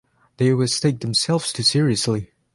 They always take themselves too seriously.